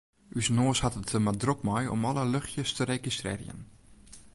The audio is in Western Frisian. Us noas hat it der mar drok mei om alle luchtsjes te registrearjen.